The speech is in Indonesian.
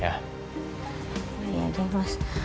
ya ya jangan mas